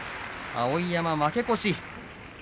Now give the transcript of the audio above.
碧山が負け越し。